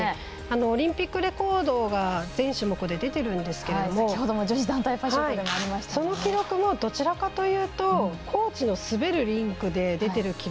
オリンピックレコードが全種目で出てるんですけどその記録もどちらかというと高地の滑るリンクで出てる